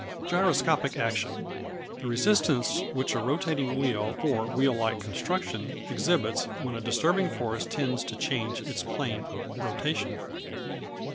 Gyroscopic Action The resistance which a rotating wheel, or wheel like construction, exhibits when a disturbing force tends to change its plane of rotation.